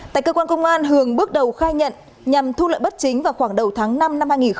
tại cơ quan công an hường bước đầu khai nhận nhằm thu lợi bất chính vào khoảng đầu tháng năm năm hai nghìn hai mươi